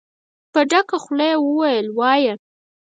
په ډکه خوله يې وويل: وايه!